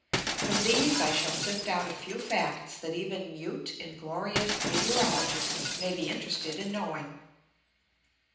From these I shall sift out a few facts that even "mute, inglorious" meteorologists may be interested in knowing.